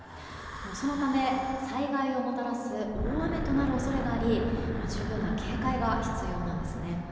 そのため、災害をもたらす大雨となる恐れがあり十分な警戒が必要なんですね。